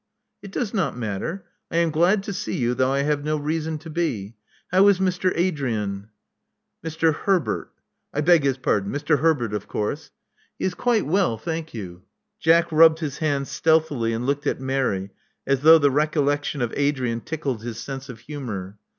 It does not matter. I am glad to see you, though I have no reason to be. How is Mr. Adrian?" Mr. Herbert " *'I beg his pardon, Mr. Herbert, of course." '*He is quite well, thank you." Jack rubbed his hands stealthily, and looked at Mary as though the recollection of Adrian tickled his sense of humor.